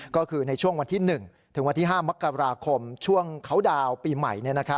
ก็คือในช่วงวันที่๑ถึงวันที่๕มกราคมช่วงเขาดาวน์ปีใหม่